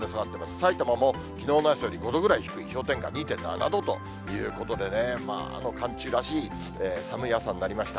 さいたまもきのうの朝より５度ぐらい低い氷点下２．７度ということでね、寒中らしい寒い朝になりました。